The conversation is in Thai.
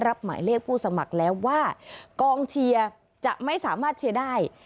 หมายเลขผู้สมัครแล้วว่ากองเชียร์จะไม่สามารถเชียร์ได้